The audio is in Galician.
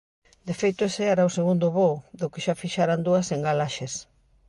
De feito, ese era o segundo voo, do que xa fixeran dúas engalaxes.